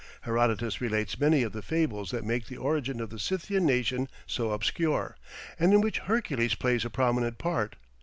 Herodotus relates many of the fables that make the origin of the Scythian nation so obscure, and in which Hercules plays a prominent part.